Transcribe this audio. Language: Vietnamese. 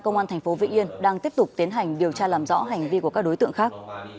cảnh sát điều tra công an tp vĩnh yên đang tiếp tục tiến hành điều tra làm rõ hành vi của các đối tượng khác